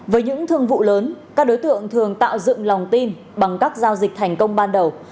với những thương vụ lớn các đối tượng thường tạo dựng lòng tin bằng các giao dịch thành công ban đầu